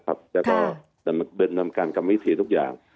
ก็จะทำการการมิถีทุกอย่าง